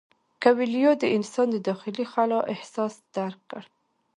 کویلیو د انسان د داخلي خلا احساس درک کړ.